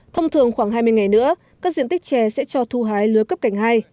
thông thường khoảng hai mươi ngày nữa các diện tích chè sẽ cho thu hái lứa cấp cảnh hai